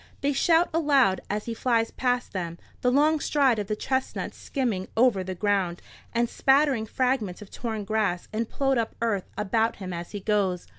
They shout aloud as he flies past them, the long stride of the chestnut skimming over the ground, and spattering fragments of torn grass and ploughed up earth about him as he goes.